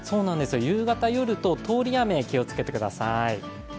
夕方、夜と通り雨に気をつけてください。